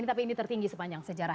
tapi ini tertinggi sepanjang sejarah